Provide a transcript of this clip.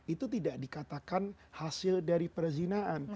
itu tidak dikatakan hasil dari perzinaan